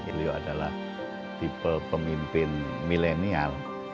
beliau adalah tipe pemimpin milenial